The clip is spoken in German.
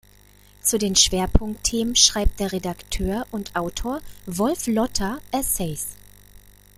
Zu den Schwerpunktthemen schreibt der Redakteur und Autor Wolf Lotter Essays.